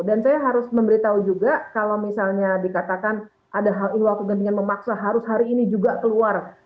dan saya harus memberitahu juga kalau misalnya dikatakan ada iwaku gandingan memaksa harus hari ini juga keluar